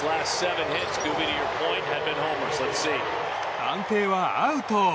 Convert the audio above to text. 判定はアウト。